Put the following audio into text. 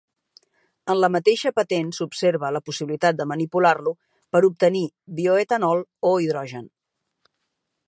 En la mateixa patent s'observa la possibilitat de manipular-lo per obtenir bioetanol o hidrogen.